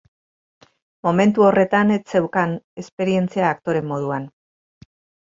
Momentu horretan ez zeukan esperientzia aktore moduan.